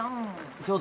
ちょうど。